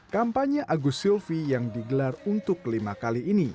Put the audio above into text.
kampanye agus silvi yang digelar untuk lima kali ini